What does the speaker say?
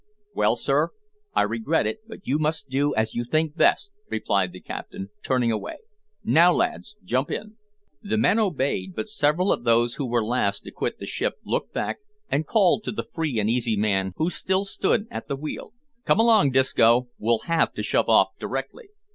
"Well, sir, I regret it but you must do as you think best," replied the captain, turning away "Now, lads, jump in." The men obeyed, but several of those who were last to quit the ship looked back and called to the free and easy man who still stood at the wheel "Come along, Disco; we'll have to shove off directly."